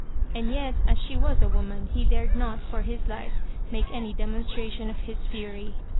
And yet, as she was a woman, he dared not for his life make any de monstration of his fury.